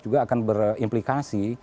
juga akan berimplikasi